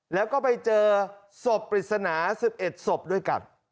แล้วก็ไปเจอศพปริศนา๑๑ศพด้วยกัน